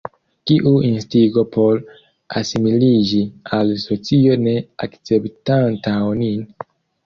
Kiu instigo por asimiliĝi al socio ne akceptanta onin?